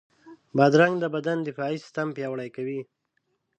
بادرنګ د بدن دفاعي سیستم پیاوړی کوي.